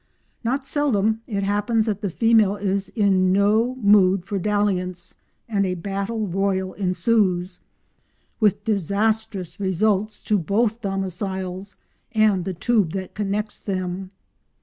Not seldom it happens that the female is in no mood for dalliance, and a battle royal ensues, with disastrous results to both domiciles and the tube that connects them.